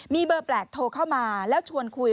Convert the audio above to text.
มีเบอร์แปลกโทรเข้ามาแล้วชวนคุย